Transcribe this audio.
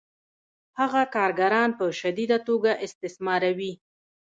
هغه کارګران په شدیده توګه استثماروي